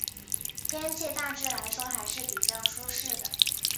天气大致来说还是比较舒适的。